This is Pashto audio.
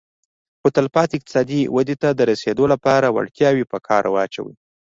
خو تلپاتې اقتصادي ودې ته د رسېدو لپاره وړتیاوې په کار واچوي